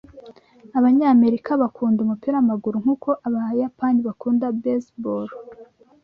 Abanyamerika bakunda umupira wamaguru nkuko abayapani bakunda baseball.